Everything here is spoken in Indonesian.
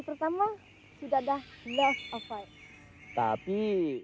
pertama sudah dah break tapi